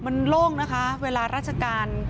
มันโล่งนะคะเวลาราชการ